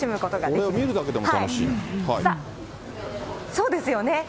そうですよね。